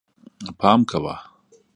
پام کوه